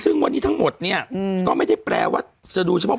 ซึ่งวันนี้ทั้งหมดเนี่ยก็ไม่ได้แปลว่าจะดูเฉพาะ